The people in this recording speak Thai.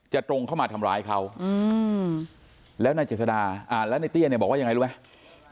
ตรงเข้ามาทำร้ายเขาแล้วนายเจษดาแล้วในเตี้ยเนี่ยบอกว่ายังไงรู้ไหม